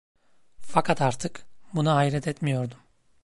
Fakat artık buna hayret etmiyordum.